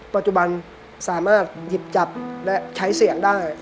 ปัจจุบันสามารถหยิบจับและใช้เสียงได้